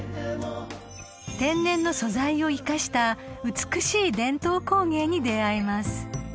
［天然の素材を生かした美しい伝統工芸に出合えます］